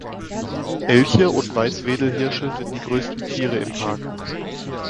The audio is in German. Elche und Weißwedelhirsche sind die größten Tiere im Park.